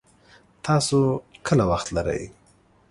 تاسو کله وخت لري